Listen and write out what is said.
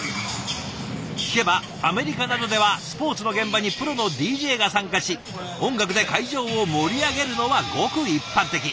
聞けばアメリカなどではスポーツの現場にプロのＤＪが参加し音楽で会場を盛り上げるのはごく一般的。